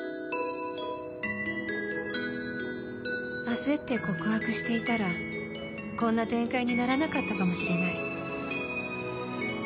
焦って告白していたらこんな展開にならなかったかもしれない。